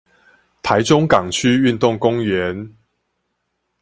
臺中港區運動公園